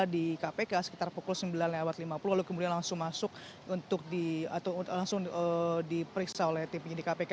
di kpk sekitar pukul sembilan lewat lima puluh lalu kemudian langsung masuk untuk langsung diperiksa oleh tim penyidik kpk